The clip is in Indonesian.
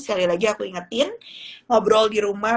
sekali lagi aku ingetin ngobrol di rumah